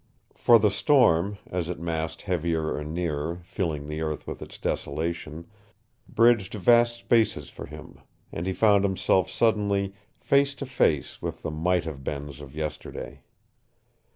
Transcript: For the storm, as it massed heavier and nearer, filling the earth with its desolation, bridged vast spaces for him, and he found himself suddenly face to face with the might have beens of yesterday.